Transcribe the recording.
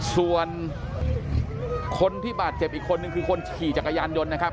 ส่วนคนที่บาดเจ็บอีกคนนึงคือคนขี่จักรยานยนต์นะครับ